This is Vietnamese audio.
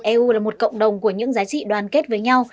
eu là một cộng đồng của những giá trị đoàn kết với nhau